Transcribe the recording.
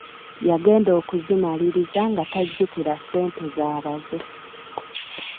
Yagenda okuzimaliriza nga tajjukira ssente z'abaze!